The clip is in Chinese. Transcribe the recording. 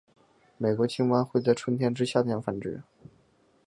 美国青蛙会在春天至夏天繁殖。